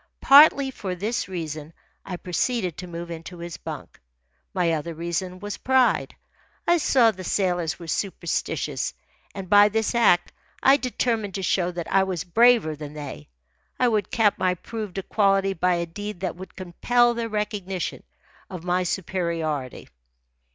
Partly for this reason I proceeded to move into his bunk. My other reason was pride. I saw the sailors were superstitious, and by this act I determined to show that I was braver than they. I would cap my proved equality by a deed that would compel their recognition of my superiority.